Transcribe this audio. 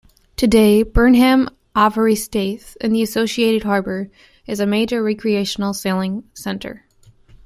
Today Burnham Overy Staithe, and the associated harbour, is a major recreational sailing centre.